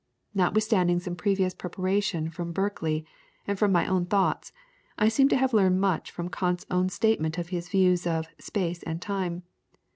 Notwithstanding some previous preparation from Berkeley, and from my own thoughts, I seem to have learned much from Kant's own statement of his views of 'Space and Time.'